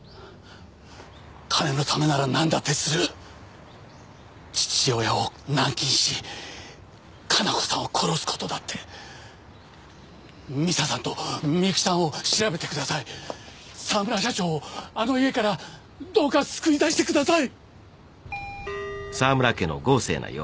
金のためなら何だってする父親を軟禁し加奈子さんを殺すことだって美沙さんと美雪さんを調べてください沢村社長をあの家からどうか救い出してください！